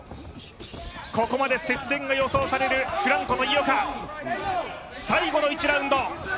ここまで接戦が予想されるフランコと井岡、最後の１ラウンド。